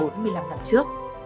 bốn mươi năm năm trước